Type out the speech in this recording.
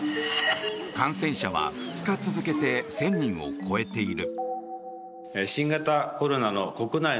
感染者は２日続けて１０００人を超えている。